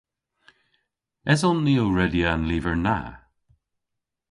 Eson ni ow redya an lyver na?